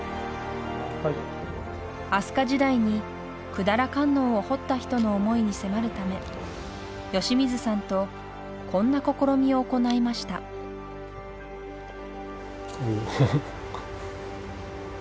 飛鳥時代に百済観音を彫った人の思いに迫るため吉水さんとこんな試みを行いましたフフフ。